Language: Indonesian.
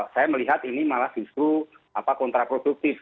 saya melihat ini malah justru kontraproduktif